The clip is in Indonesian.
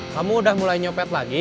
kamu udah mulai nyopet lagi